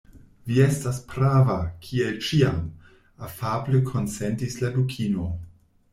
"Vi estas prava, kiel ĉiam," afable konsentis la Dukino.